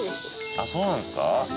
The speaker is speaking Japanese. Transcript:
あっそうなんですか？